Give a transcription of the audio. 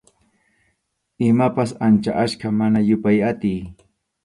Imapas ancha achka, mana yupay atiy.